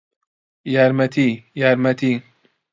یارمەتی! یارمەتی!